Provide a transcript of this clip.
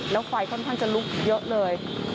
แล้วไฟค่อนข้างจะลุกเยอะเลย